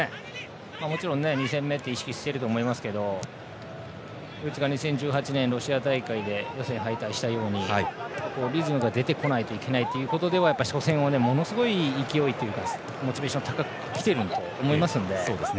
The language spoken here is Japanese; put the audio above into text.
もちろん２戦目って意識していると思いますけどドイツが２０１８年のロシア大会で予選敗退したようにリズムが出てこないといけないということでは初戦はものすごい勢いというかモチベーションが高くきていると思いますので。